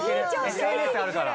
ＳＮＳあるから。